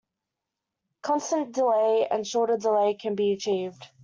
Constant delay, and shorter delay, can be achieved.